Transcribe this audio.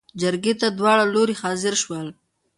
جرګې ته داوړه لورې حاضر شول.